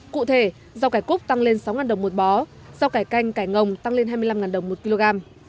cụ thể rau cải cúc tăng lên sáu đồng một bó rau cải canh cải ngồng tăng lên hai mươi năm đồng một kg